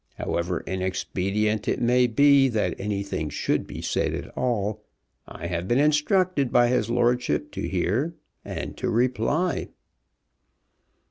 However inexpedient it may be that anything should be said at all, I have been instructed by his lordship to hear, and to reply."